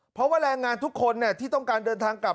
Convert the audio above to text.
เพราะว่าแรงงานทุกคนที่ต้องการเดินทางกลับ